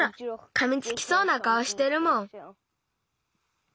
かみつきそうなかおしてるもん。